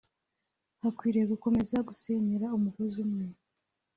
hakwiriye gukomeza gusenyera umugozi umwe